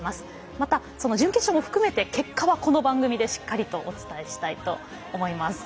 また、その準決勝も含めて結果はこの番組でしっかりとお伝えしたいと思います。